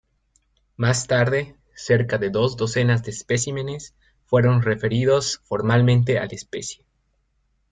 Más tarde, cerca de dos docenas de especímenes fueron referidos formalmente a la especie.